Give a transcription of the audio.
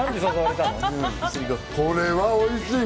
これはおいしい。